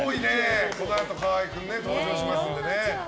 このあと河合君登場しますんで。